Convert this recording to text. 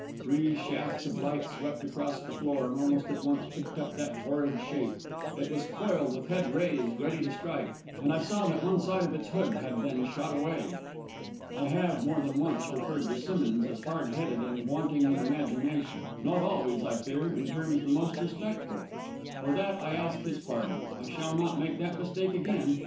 Three shafts of lights swept across the floor, and almost at once picked up that horrid shape. It was coiled with head raised, ready to strike, and I saw that one side of its hood had been shot away. I have, more than once, referred to Simmonds as hard headed and wanting in imagination not always, I fear, in terms the most respectful. For that I ask his pardon; I shall not make that mistake again.